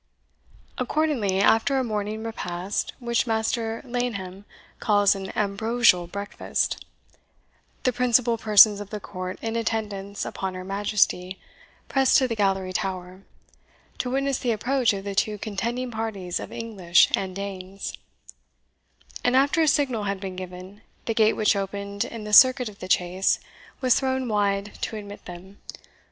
Accordingly, after a morning repast, which Master Laneham calls an ambrosial breakfast, the principal persons of the court in attendance upon her Majesty pressed to the Gallery tower, to witness the approach of the two contending parties of English and Danes; and after a signal had been given, the gate which opened in the circuit of the Chase was thrown wide to admit them.